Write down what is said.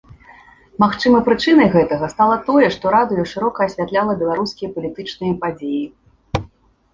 Магчыма, прычынай гэтага стала тое, што радыё шырока асвятляла беларускія палітычныя падзеі.